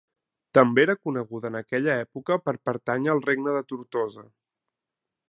També era coneguda en aquella època per pertànyer al regne de Tortosa.